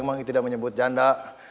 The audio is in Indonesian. emang tidak menyebut janda